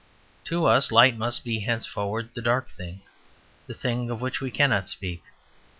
To us light must be henceforward the dark thing the thing of which we cannot speak.